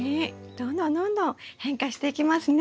どんどんどんどん変化していきますね。